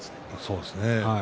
そうですね。